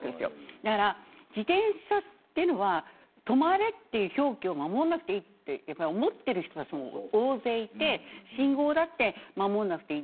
だから自転車というのは止まれっていう表記を守らなくていいって思ってる人たちも大勢いて信号だって守らなくていい。